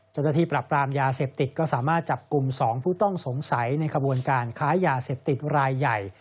เจ้าหน้าที่ปรับปรามยาเสพติดก็สามารถจับกลุ่ม๒ผู้ต้องสงสัยในขบวนการค้ายาเสพติดรายใหญ่